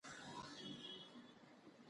انګور د افغان تاریخ په کتابونو کې ذکر شوي دي.